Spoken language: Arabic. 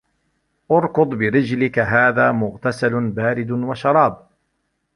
اركُض بِرِجلِكَ هذا مُغتَسَلٌ بارِدٌ وَشَرابٌ